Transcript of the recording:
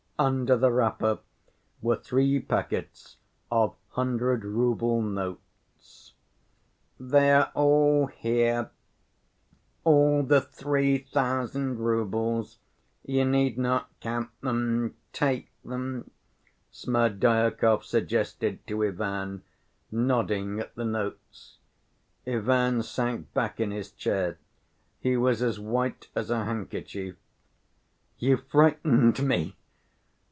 Under the wrapper were three packets of hundred‐rouble notes. "They are all here, all the three thousand roubles; you need not count them. Take them," Smerdyakov suggested to Ivan, nodding at the notes. Ivan sank back in his chair. He was as white as a handkerchief. "You frightened me